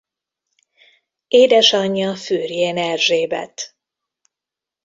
Édesanyja Fürjén Erzsébet.